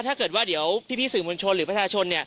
ว่าถ้าเดี๋ยวพี่สื่อมูลชนหรือประธาชน